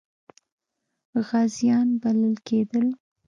غازیان بلل کېدل.